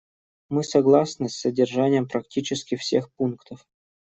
Мы согласны с содержанием практически всех пунктов.